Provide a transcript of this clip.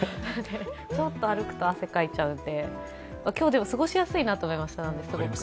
ちょっと歩くと汗かいちゃうんで、今日、過ごしやすいなと思いました。